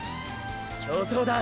“競争”だ。